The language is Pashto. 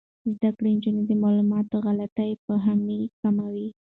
زده کړې نجونې د معلوماتو غلط فهمۍ کموي.